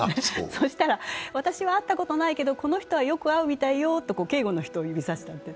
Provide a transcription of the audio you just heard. そしたら私は会ったことないけどこの人はよく会うみたいよと警護の人を指さしたと。